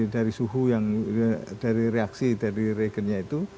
dari suhu yang dari reaksi dari reagennya itu